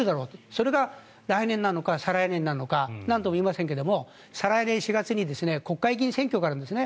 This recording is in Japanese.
それが来年なのか再来年なのかなんとも言えませんが再来年４月に国会議員選挙があるんです。